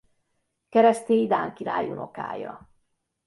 Keresztély dán király unokája.